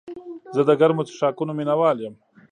زه د ګرمو څښاکونو مینه وال یم.